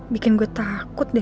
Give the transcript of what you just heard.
bikin gue takut deh